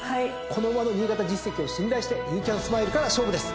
この馬の新潟実績を信頼してユーキャンスマイルから勝負です！